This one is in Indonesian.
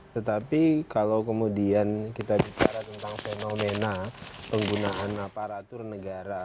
tetapi kalau kemudian kita bicara tentang fenomena penggunaan aparatur negara